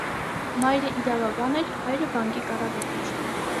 Մայրը իրավաբան էր, հայրը՝բանկի կառավարիչ։